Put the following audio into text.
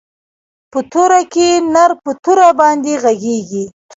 په توره کښې نر په توره باندې ږغېږي.